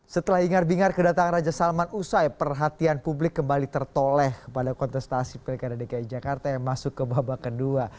setelah ingar bingar kedatangan raja salman usai perhatian publik kembali tertoleh pada kontestasi pilkada dki jakarta yang masuk ke babak kedua